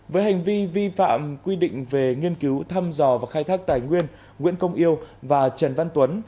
với hành vi vi phạm quy định về nghiên cứu thăm dò và khai thác tài nguyên nguyễn công yêu và trần văn tuấn